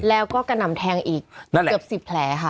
แล้วก็กระหน่ำแทงอีกเกือบสิบแผลค่ะ